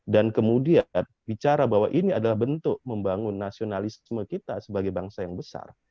dan kemudian bicara bahwa ini adalah bentuk membangun nasionalisme kita sebagai bangsa yang besar